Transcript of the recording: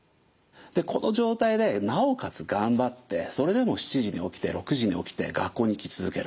この状態でなおかつ頑張ってそれでも７時に起きて６時に起きて学校に行き続ける。